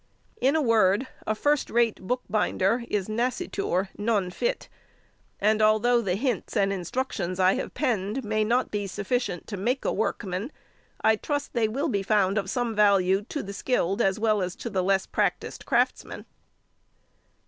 In a word, a first rate bookbinder is nascitur non fit, and although the hints and instructions I have penned may not be sufficient to make a workman, I trust they will be found of some value to the skilled as well as to the less practised craftsman.